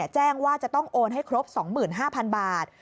แจ้งว่าจะต้องโอนให้ครบ๒๕๐๐๐บาท